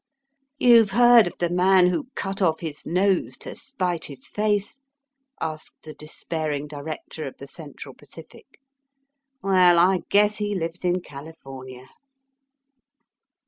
*^ You've heard of the man who cut off his nose to spite his face? " asked the despairing director of the Central Pacific. ^^ Well, I guess he lives in California."